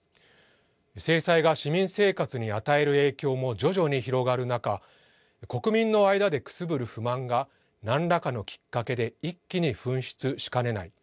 制裁が市民生活に与える影響も徐々に広がる中国民の間でくすぶる不満がなんらかのきっかけで一気に噴出しかねない。